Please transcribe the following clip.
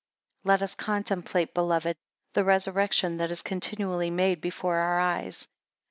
17 Let us contemplate, beloved, the resurrection that is continually made before our eyes.